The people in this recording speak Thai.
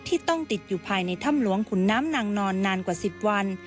ต้องติดอยู่ภายในถ้ำหลวงขุนน้ำนางนอนนานกว่า๑๐วัน